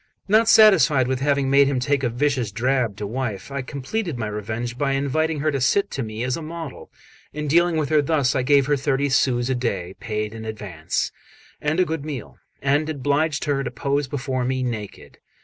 Not satisfied with having made him take a vicious drab to wife, I completed my revenge by inviting her to sit to me as a model, and dealing with her thus. I gave her thirty sous a day, paid in advance, and a good meal, and obliged her to pose before me naked.